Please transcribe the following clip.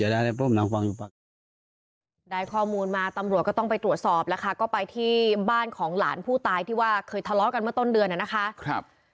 ได้ข้อมูลมาตำรวจก็ต้องไปตรวจสอบแล้วค่ะก็ไปที่บ้านของหลานผู้ตายที่ว่าเคยทะเลาะกันเมื่อต้นเดือนนะคะ